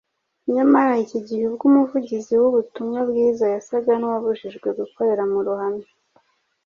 Nyamara iki gihe ubwo umuvugizi w’ubutumwa bwiza yasaga n’uwabujijwe gukorera mu ruhame,